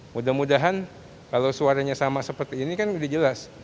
mudah mudahan kalau suaranya sama seperti ini kan sudah jelas